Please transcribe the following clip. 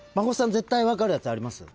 絶対分かるやつあります？